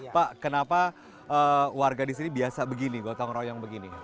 pak kenapa warga di sini biasa begini gotong royong begini